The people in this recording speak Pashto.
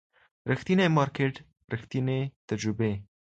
ریښتینی مارکیټ، ریښتینې تجربې